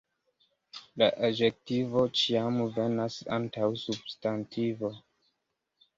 La adjektivo ĉiam venas antaŭ substantivo.